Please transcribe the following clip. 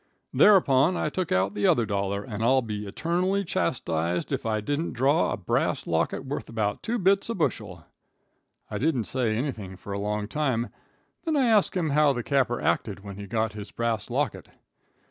"Thereupon I took out the other dollar, and I'll be eternally chastised if I didn't draw a brass locket worth about two bits a bushel." I didn't say anything for a long time. Then I asked him how the capper acted when he got his brass locket.